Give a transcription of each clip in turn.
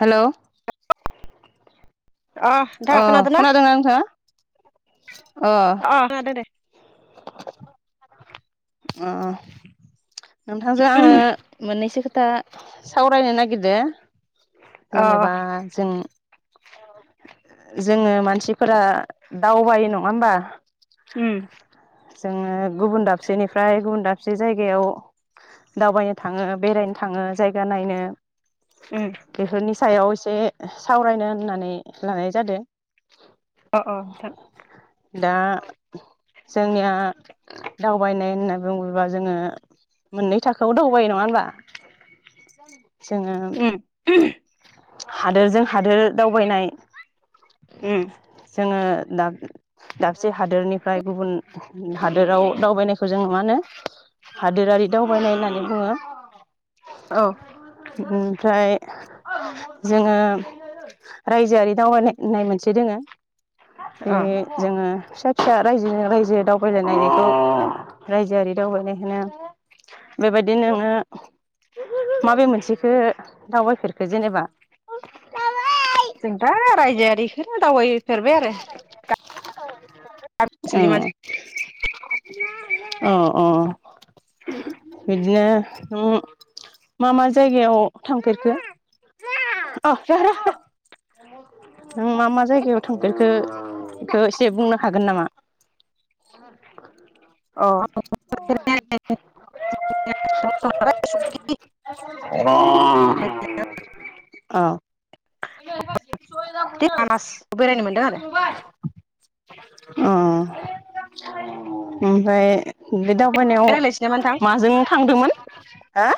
हेल'? अ नोंथां अ खोनादोंना नोंथाङा? अ। अ आ दो दे [inaudible] अ नोंथांजों आङो मोननैसो खोथा सावरायनो नागिरदो अ जेनेबा जों जोङो मानसिफोरा दावबायो नङा होमबा उम। जोङो गुबुन दाबसेनिफ्राय गुबुन दाबसे जायगायाव दावबायनो थाङो बेरायनो थाङो जायगा नायनो उम बेफोरनि सायाव एसे सावरायनो होननानै लानाय जादो। अ अ नोंथां। दा जोंनिया दावबायनाय होनना बुङोबा जोङो मोननै थाखोआव दावबायो नङा होमबा। जोङो [inaudible] हादोरजों हादोर दावबायनाय उम। जोङो दाब दाबसे हादोरनिफ्राय गुबुन हादोराव दावबायनाय खौ जों मा होनो हादोरारि दावबायनाय होननानै बुङो। औ। ओमफ्राय जोङो रायजोआरि दावबायनाय मोनसे दोङो। बे अ जोङो फिसा फिसा रायजो रायजो दावबायलायनायखौ रायजोआरि दावबायायनायहोनो बेबायदि नोङो माबे मोनसेखो दावबायफेरखो जेनेबा जों दा रायजोआखौनो दावबायो। फेरबाय आरो मानसि [inaudible] अ अ। बिदिनो नों मा मा जायगायाव थांफेरखो? र' र' नों मा मा जायगायाव [inaudible] थांफेरखो एसे बुंनो हागोन नामा [inaudible] अ [inaudible] अ [inaudible] सय दाखोन आ मानास बेरायनो मोनदों दा आरो नुबाय अ ओमफाय [inaudible] बे दावबायनायाव रायलायसै नामा नोंथां माजों थांदोंमोन? हा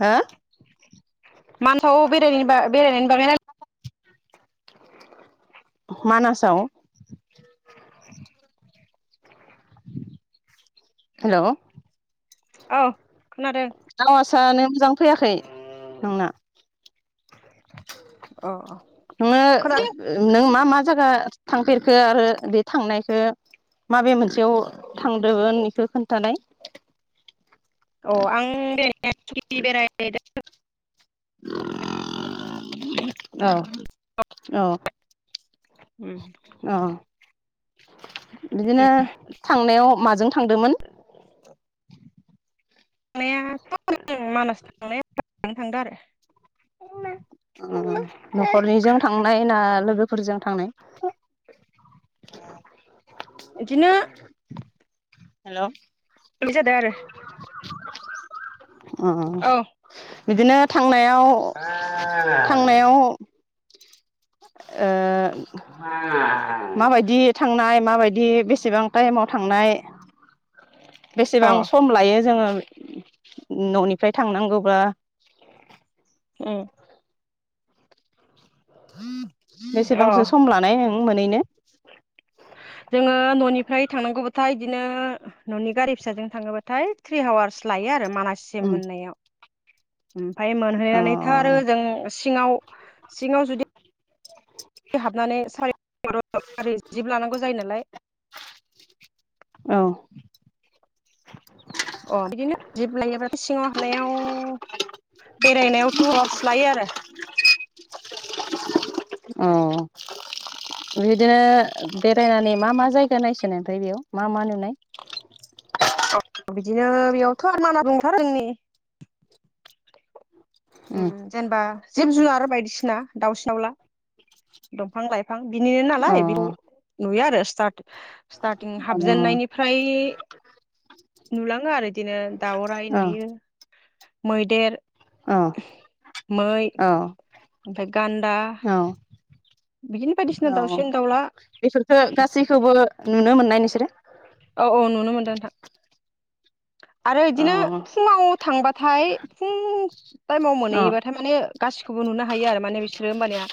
हा? मानसाव बेरायनायनि बेरायनायनि बागै रायलाय मानासाव हेलौ? औ खोनादों। आवासानो मोजां फैयाखै नोंना। अ अ नोङो खोनादों नों मा मा जागा थांफेरखो आरो बे थांनायखो माबे मोनसेयाव थांदोमोन इखो खोन्थानाय। अ आं [unintelligible] औ औ। ओम। अ बिदिनो थांनायाव माजों थांदोमोन? थांनायाथ' जों मानास थांनाया [inaudible] थांदों आरो। ओम न'खरनिजों थांनाय ना लोगोफोरजों थांनाय? इदिनो हेल' ओ बे जादों आरो बिदिनो थांनायाव आ थांनायाव ओ [unintelligible] माबायदि थांनाय माबायदि बेसेबां टाइमाव थांनाय बेसेबां उम सम लायो जोङो न'निफ्राय थांनांगौब्ला। उम। जोङो बेसेबांसो सम लानाय नों मोनैनो? जोङो न'निफ्राय थांनांगौबाथाय इदिनो न'नि गारि फिसाजों थाङोबाथाय ट्रि हावार्स लायो आरो मानास सिम मोननायाव। ओमफाय अ मोनहैनानैथ' आरो ओजों सिङाव सिङाव जुदि हाबनानै सारा [unintelligible] आरि जिप लानांगौ जायो नालाय। औ। अ बिदिनो जिप लायोब्लाथाय' सिङाव हाबनायाव बेरायनायाव टु आवार्स लायो आरो। अ बिदिनो बेरायनानै मा मा जायगा नायसोनाय ओमफ्राय बेयाव मा मा नुनाय? बिदिनो बेयावथ' आरो मा मा [unintelligible] उम। जेनेबा जिब जुनार बायदिसिना दाउसि दावला दंफां लाइफां बिनि नालाय बेखौ नुयो आरो स्टार्ट स्टार्टिं अ हाबजेननायनिफ्राय नुलाङो आरो बिदिनो दाउराइ अ नुयो मैदेर अ मै अ। ओमफ्राय गान्दा अ बिदिनो बायदिसिना औ। दाउसिन दाउला बेफोरखो गासैखौबो नुनो मोननाय नोंसोरो? औ औ नुनो मोनदों नोंथां। आरो अ इदिनो फुङाव थांबाथाय फुं टाइमाव अ मोनहैयोबाथाय माने गासिखौबो नुनो हायो आरो माने बिसोरो होमबानिया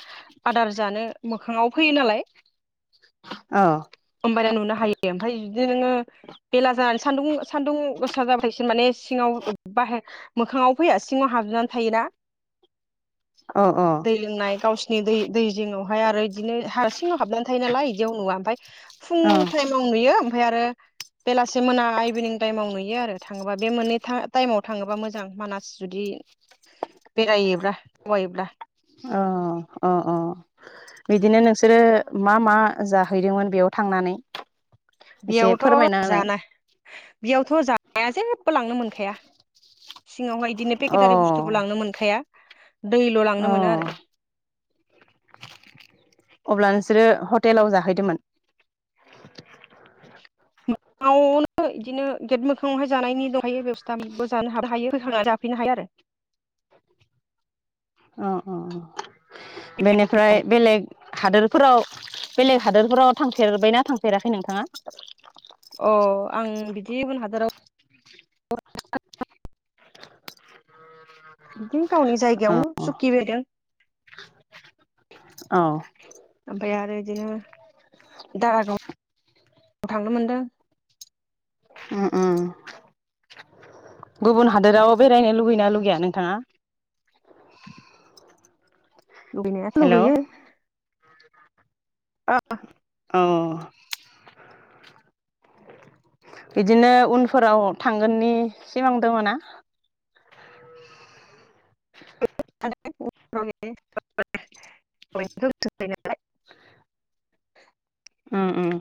आदार जानो मोखाङाव फैयो नालाय। अ। होमबानिया नुनो हायो। ओमफाय जुदि नोङो बेला जानानै सान्दुं सान्दुं गोसा जाबाथाय इसोर माने सिङाव बाहेर मोखाङाव फैया सिङाव हाबजोबनानै थायोना। अ अ। दै लोंनाय गावसिनि दै दै जिङावहाय आरो बिदिनो हारसिङाव हाबना थायो नालाय बिदियाव नुवा ओमफाय फुं औ टाइमाव नुयो ओमफाय आरो बेलासि मोना इभिनिं टाइमाव नुयो आरो थाङोबा बे मोननै टा-टाइमाव थाङोबा मोजां मानास जुदि बेरायोब्ला दावायोब्ला औ अ अ बिदिनो नोंसोरो मा मा जाहैदोंमोन बेयाव थांनानै? एसे फोरमायना बेयावथ' होलाय जाना बेयावथ' जानाया जेबो लांनो मोनखाया। सिङावहाय बिदिनो अ पेकेटारि बुस्थुखौ लांनो मोनखाया दैल' अ लांनो मोनो आरो अब्ला नोंसोरो हटेलाव जाहैदोंमोन मोआवनो बिदिनो गेट मोखाङावहाय जानायनि दं थफायो बेबस्थाबो जानो [unintelligible] हायो जाफैनो हाया आरो अ अ बेनिफ्राय बेलेग हादोरफोराव बेलेग हादोरफोराव थांफेरबायना थांफेराखै नोंथाङा? अ आं बिदि गुबुन हादराव [inaudible] बिदिनो गावनि औ जायगायावनो सुखिबायदों औ ओमफ्राय आरो बिदिनो [unintelligible] थांनो मोनदों उम उम गुबुन हादोराव बेरायनो लुगैना लुगैया नोंथाङा लुगैनायाथ' हेलौ लुगैयो [inaudible] आ औ बिदिनो उनफोराव थांगोननि सिमां दङ'ना? [unintelligible] उम उम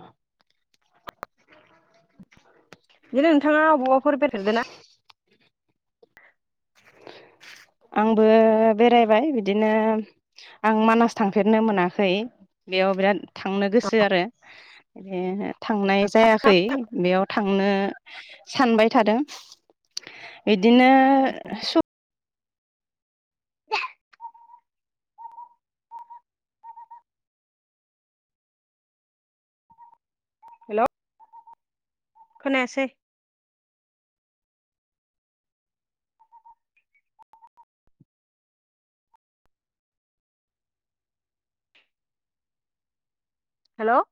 बिदिनो नोंथाङा बबावाफोर बेथेरदोंना आंबो बेरायबाय बिदिनो आं मानास थांफेरनो मोनाखै बेयाव बिराद थांनो ना गोसो आरो ए थांनाय जायाखै बेयाव थांनो सानबाय थादों बिदिनो सु [unintelligible] हेल' खोनायासै हेल'